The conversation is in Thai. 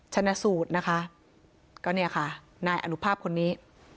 ชนะสูตรนะคะก็เนี่ยค่ะนายอนุภาพคนนี้